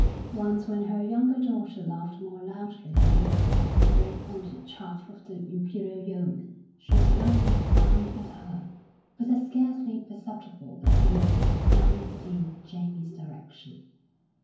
Once when her younger daughter laughed more loudly than usual at the very pointed chaff of the Imperial Yeoman, she slightly frowned at her, with a scarcely perceptible but significant glance in Jamie's direction.